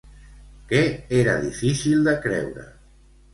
Què era difícil de creure?